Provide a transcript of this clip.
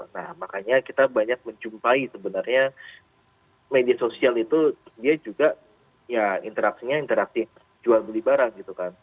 nah makanya kita banyak menjumpai sebenarnya media sosial itu dia juga ya interaksinya interaksi jual beli barang gitu kan